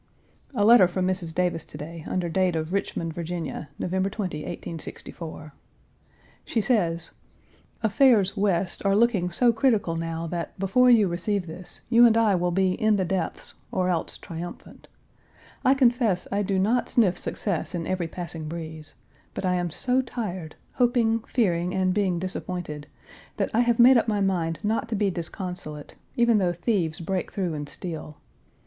Page 335 A letter from Mrs. Davis to day, under date of Richmond, Va., November 20, 1864. She says: "Affairs West are looking so critical now that, before you receive this, you and I will be in the depths or else triumphant. I confess I do not sniff success in every passing breeze, but I am so tired, hoping, fearing, and being disappointed, that I have made up my mind not to be disconsolate, even though thieves break through and steal.